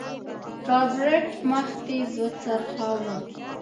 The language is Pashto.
رابرټ مخ تېز وڅرخوه.